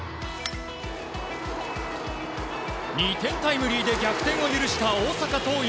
２点タイムリーで逆転を許した大阪桐蔭。